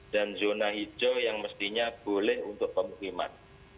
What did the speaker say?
dan zona hijau yang mestinya boleh untuk pemukiman